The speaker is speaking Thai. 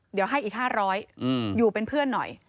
เดี๋ยวให้อีก๕๐๐อยู่เป็นเพื่อนหน่อย